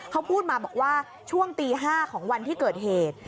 เขาพูดมาบอกว่าช่วงตี๕ของวันที่เกิดเหตุ